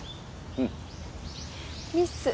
うんミス